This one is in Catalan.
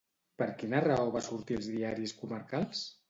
Per quina raó va sortir als diaris comarcals?